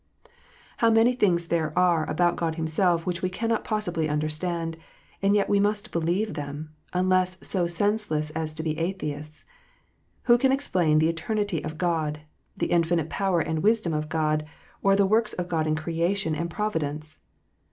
How many things there are about God Himself which we cannot possibly understand, and yet we must believe them, unless so senseless as to be atheists ! Who can explain the eternity of God, the infinite power and wisdom of God, or the works of God in creation and providence